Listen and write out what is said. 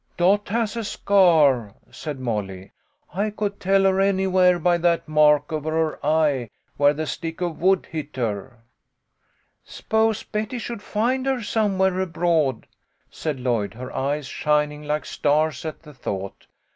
" Dot has a scar," said Molly. " I could tell her I2O THE LITTLE COLONELS HOLIDAYS. anywhere by that mark over her eye where the stick of wood hit her." " S'pose Betty should find her somewhere abroad," said Lloyd, her eyes shining like stars at the thought.